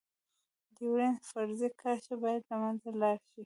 ډيورنډ فرضي کرښه باید لمنځه لاړه شی.